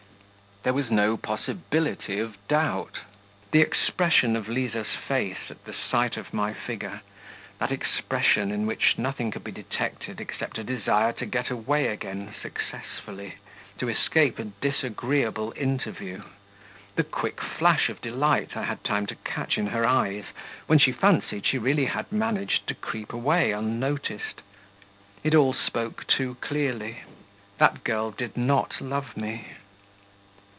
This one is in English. There was no possibility of doubt: the expression of Liza's face at the sight of my figure, that expression in which nothing could be detected except a desire to get away again successfully, to escape a disagreeable interview, the quick flash of delight I had time to catch in her eyes when she fancied she really had managed to creep away unnoticed it all spoke too clearly; that girl did not love me.